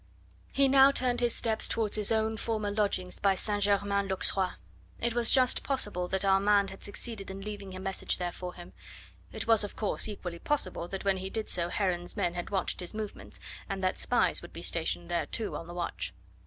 He now turned his steps towards his own former lodgings by St. Germain l'Auxerrois. It was just possible that Armand had succeeded in leaving a message there for him. It was, of course, equally possible that when he did so Heron's men had watched his movements, and that spies would be stationed there, too, on the watch.